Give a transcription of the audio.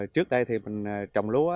trước đây thì mình trồng lúa